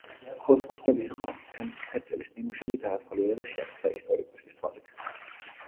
ხუროთმოძღვრებისა და ფერწერის ნიმუშები დაათვალიერა და შეაფასა ისტორიკოსის თვალით.